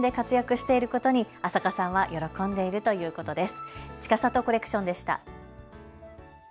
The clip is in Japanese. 皆さん第一線で活躍していることに安積さんは喜んでいるということです。